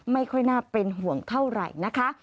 ไม่ค่อยน่าเป็นห่วงเท่าไหร่นะคะ